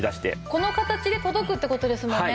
この形で届くって事ですもんね。